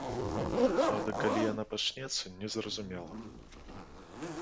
Праўда, калі яна пачнецца, незразумела.